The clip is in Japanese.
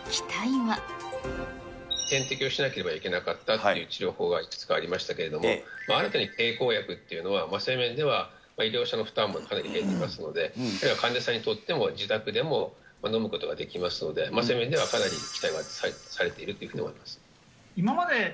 点滴をしなければいけなかったという治療法がいくつかありましたけれども、新たに経口薬っていうのは、そういう面では、医療者の負担もかなり減っていますので、患者さんにとっても自宅でも飲むことができますので、そういう面ではかなり期待はされているというふうに思います。